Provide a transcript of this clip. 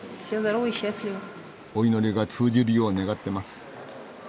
お祈りが通じるよう願ってます。